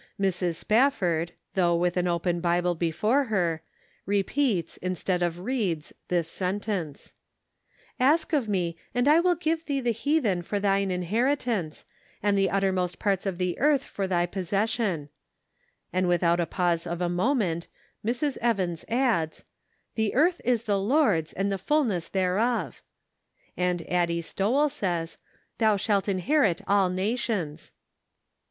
Mrs. Spafford, though with an open Bible before her, repeats instead of reads this sentence :" Ask of me, and I will give thee the heathen for thine inheritance, and the uttermost parts of the earth for thy possession," and without a pause of a moment Mrs. Evans adds :" The earth is the Lord's and the fulness thereof." And Addie Stowell says: "Thou shall inherit all nations."